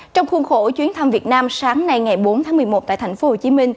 trong khuôn khổ chuyến thăm việt nam sáng nay ngày bốn tháng một mươi một tại tp hcm